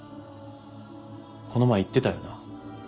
この前言ってたよな